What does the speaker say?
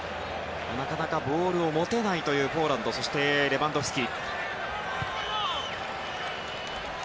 なかなかボールを持てないポーランドそしてレバンドフスキ。